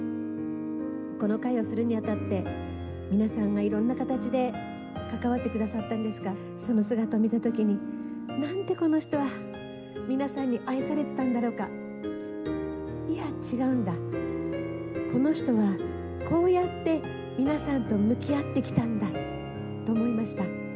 この会をするにあたって、皆さんがいろんな形で関わってくださったんですが、その姿を見たときに、なんてこの人は、皆さんに愛されてたんだろうか、いや違うんだ、この人はこうやって皆さんと向き合ってきたんだと思いました。